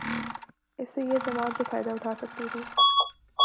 اس سے یہ جماعت جو فائدہ اٹھا سکتی تھی